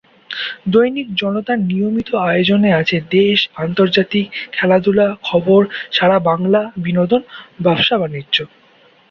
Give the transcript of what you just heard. দৈনিক জনতার নিয়মিত আয়োজনে আছে: দেশ, আন্তর্জাতিক, খেলাধুলা, খবর, সারা বাংলা, বিনোদন, ব্যবসা-বাণিজ্য।